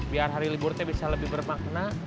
biar hari libur teh bisa lebih bermakna